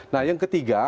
nah yang ketiga